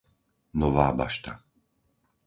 Nová Bašta